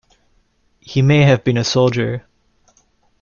He may have been a soldier.